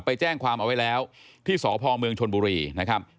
ไปแจ้งความเอาไว้แล้วที่สพเมืองชนบุรีนะครับ